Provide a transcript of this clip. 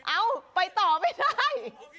เอ้าไปต่อไม่ได้